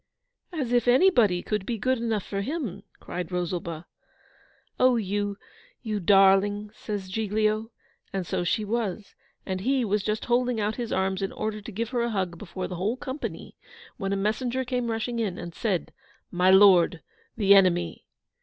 'As if anybody could be good enough for HIM,' cried Rosalba. 'Oh, you, you darling!' says Giglio. And so she was; and he was just holding out his arms in order to give her a hug before the whole company, when a messenger came rushing in, and said, 'My Lord, the enemy!